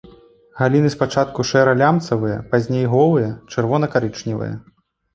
Галіны спачатку шэра-лямцавыя, пазней голыя, чырвона-карычневыя.